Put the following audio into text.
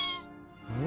うん？